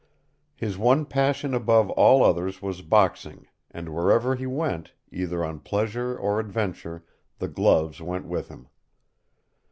His one passion above all others was boxing, and wherever he went, either on pleasure or adventure, the gloves went with him.